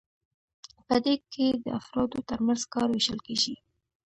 په دې کې د افرادو ترمنځ کار ویشل کیږي.